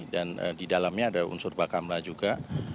dan di dalamnya ada unsur bakamlah juga